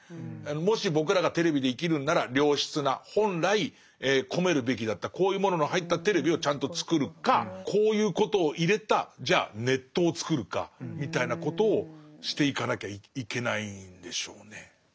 もし僕らがテレビで生きるんなら良質な本来込めるべきだったこういうものの入ったテレビをちゃんとつくるかこういうことを入れたじゃあネットをつくるかみたいなことをしていかなきゃいけないんでしょうね。